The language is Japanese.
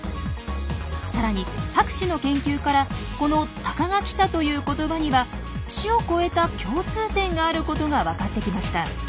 さらに博士の研究からこの「タカが来た」という言葉には種を超えた共通点があることが分かってきました。